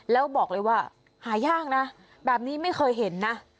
แล้วบอกเลยว่าหายากนะแบบนี้ไม่เคยเห็นนะ